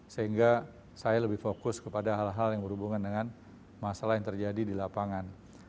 sehingga saya lebih fokus kepada hal hal yang berhubungan dengan masalah yang terjadi di lapangan